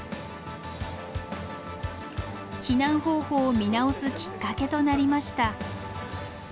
避難方法を見直すきっかけとなりました。